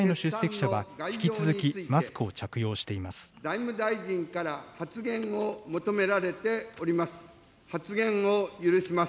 財務大臣が発言を求められております。